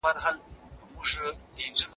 قلمي خط د خټو د پخولو په څیر دي.